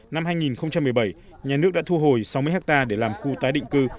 năm hai nghìn một mươi bảy nhà nước đã thu hồi sáu mươi hectare để làm khu tái định cư